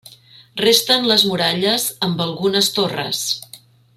Resten les muralles amb algunes torres.